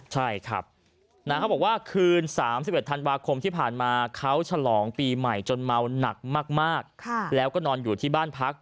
ใช่ครับเขาบอกว่าคืน๓๑ธันวาคมที่ผ่านมาเขาฉลองปีใหม่จนเมาหนักมากแล้วก็นอนอยู่ที่บ้านพัก